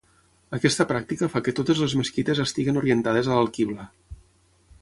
Aquesta pràctica fa que totes les mesquites estiguin orientades a l'alquibla.